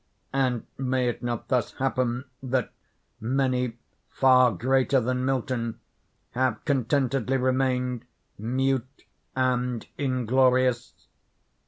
And may it not thus happen that many far greater than Milton have contentedly remained "mute and inglorious?"